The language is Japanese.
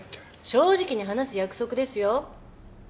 正直に話す約束ですよ。